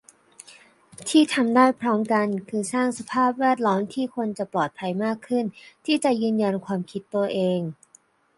ที่ทำได้พร้อมกัน คือสร้างสภาพแวดล้อมที่คนจะปลอดภัยมากขึ้นที่จะยืนยันความคิดตัวเอง